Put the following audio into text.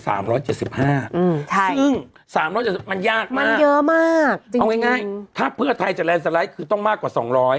ซึ่ง๓๐๐มันยากมากเอาง่ายถ้าเพื่อไทยจะแลนด์สไลด์คือต้องมากกว่า๒๐๐